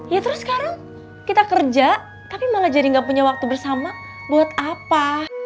ya terus sekarang kita kerja tapi malah jadi gak punya waktu bersama buat apa